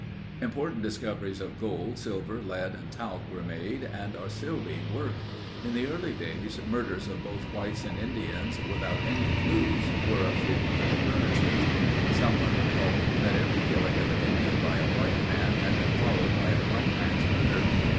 Important discoveries of gold, silver, lead, and talc were made and are still being worked. In the early days murders of both whites and Indians, without any clues were of frequent occurrence. Someone recalled that every killing of an Indian by a white man had been followed by a white man's murder.